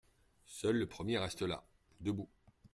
Seul le premier reste là, debout.